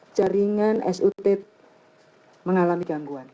jaringan sut mengalami gangguan